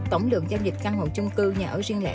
tổng lượng giao dịch căn hộ chung cư nhà ở riêng lẻ